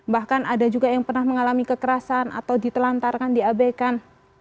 bahkan ada juga yang pernah mengalami kekerasan atau ditelantarkan diabaikan